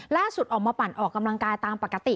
ล่าสุดออกมาปั่นออกกำลังกายตามปกติ